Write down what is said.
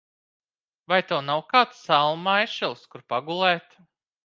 Vai tev nav kāds salmu maišelis, kur pagulēt?